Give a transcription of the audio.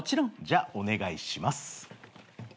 じゃお願いします。